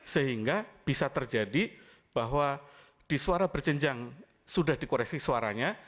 sehingga bisa terjadi bahwa di suara berjenjang sudah dikoresi suaranya